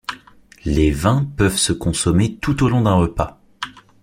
Les vins peuvent se consommer tout au long d'un repas.